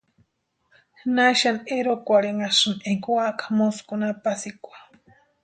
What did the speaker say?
¿Naxani erhokwarhinhasïni énka úaka moskuni apasikwa?